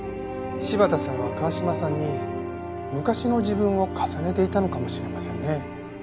柴田さんは川嶋さんに昔の自分を重ねていたのかもしれませんね。